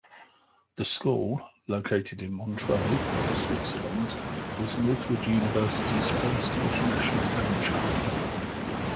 The school, located in Montreux, Switzerland was Northwood University's first international venture.